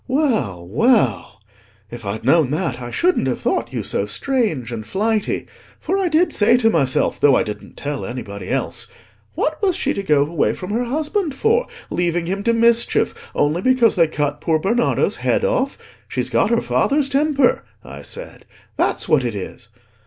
Well, well; if I'd known that, I shouldn't have thought you so strange and flighty. For I did say to myself, though I didn't tell anybody else, 'What was she to go away from her husband for, leaving him to mischief, only because they cut poor Bernardo's head off? She's got her father's temper,' I said, 'that's what it is.